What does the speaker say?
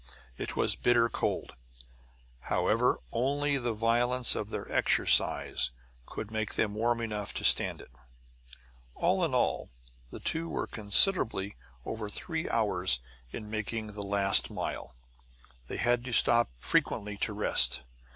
It was bitter cold, however; only the violence of their exercise could make them warm enough to stand it. All in all, the two were considerably over three hours in making the last mile; they had to stop frequently to rest.